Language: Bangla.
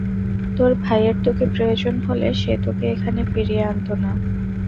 তোর ভাইয়ের তোকে প্রয়োজন হলে, সে তোকে এখানে ফিরিয়ে আনতো না।